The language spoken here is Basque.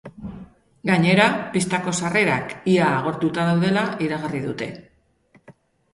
Gainera, pistako sarrerak ia agortuta daudela iragarri dute.